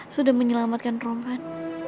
sudah menyelamatkan roman